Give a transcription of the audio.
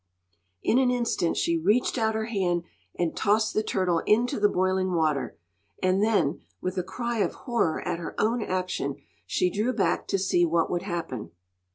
In an instant she reached out her hand and tossed the turtle into the boiling water; and then, with a cry of horror at her own action, she drew back to see what would happen.